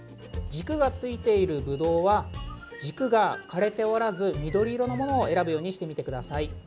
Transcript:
軸がついているブドウは軸が枯れておらず緑色のものを選ぶようにしてみてください。